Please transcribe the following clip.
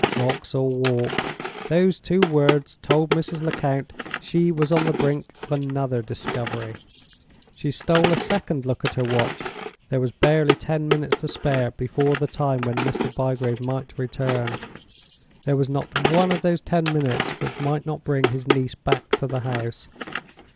Vauxhall Walk! Those two words told Mrs. Lecount she was on the brink of another discovery. She stole a second look at her watch. There was barely ten minutes to spare before the time when Mr. Bygrave might return; there was not one of those ten minutes which might not bring his niece back to the house.